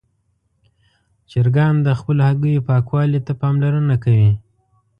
چرګان د خپلو هګیو پاکوالي ته پاملرنه کوي.